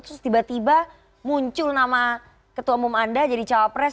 terus tiba tiba muncul nama ketua umum anda jadi cawapres